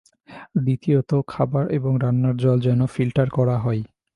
দ্বিতীয়ত খাবার এবং রান্নার জল যেন ফিল্টার করা হয়।